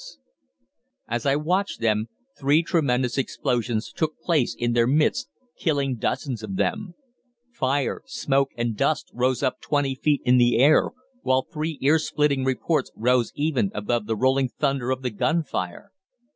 [Illustration: BATTLE OF HARLOW FINAL PHASE] "As I watched them three tremendous explosions took place in their midst, killing dozens of them. Fire, smoke, and dust rose up twenty feet in the air, while three ear splitting reports rose even above the rolling thunder of the gunfire.